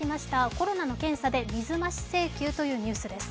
コロナの検査で水増し請求というニュースです。